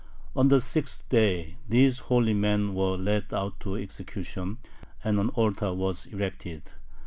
On the sixth day these holy men were led out to execution, and an altar was erected.